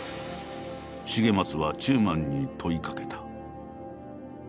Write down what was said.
重松は中馬に問いかけた。